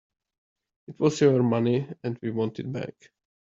It was our money and we want it back.